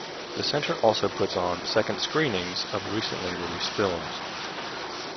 The centre also puts on "second screenings" of recently released films.